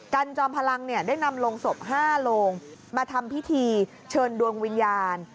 จอมพลังได้นำลงศพ๕โลงมาทำพิธีเชิญดวงวิญญาณ